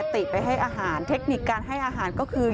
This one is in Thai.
ติไปให้อาหารเทคนิคการให้อาหารก็คือ